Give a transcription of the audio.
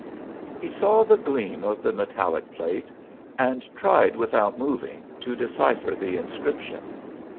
He saw the gleam of the metallic plate and tried without moving to decipher the inscription.